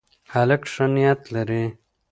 هلک ښه نیت لري.